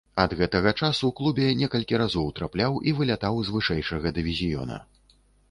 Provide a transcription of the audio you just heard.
Ад гэтага часу клубе некалькі разоў трапляў і вылятаў з вышэйшага дывізіёна.